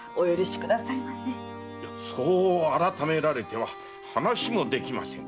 そう改められては話もできません